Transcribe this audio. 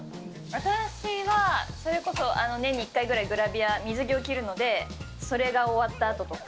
私は、それこそ、年に１回ぐらい、グラビア、水着を着るので、それが終わったあととか。